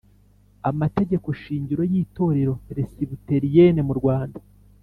Amategeko shingiro yitorero Peresibiteriyene mu Rwanda